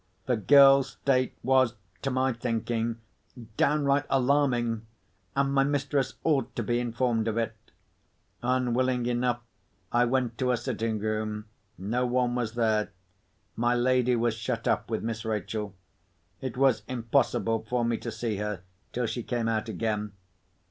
The girl's state was, to my thinking, downright alarming—and my mistress ought to be informed of it. Unwilling enough, I went to her sitting room. No one was there. My lady was shut up with Miss Rachel. It was impossible for me to see her till she came out again.